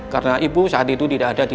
karena ibu saat itu tidak ada di tkp